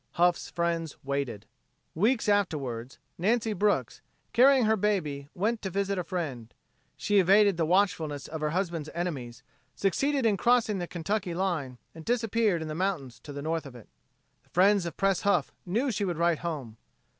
Huff's friends waited. Weeks afterward, Nancy Brooks, carrying her baby, went to visit a friend. She evaded the watchfulness of her husband's enemies, succeeded in crossing the Kentucky line and disappeared in the mountains to the north of it. The friends of Pres Huff knew she would write home.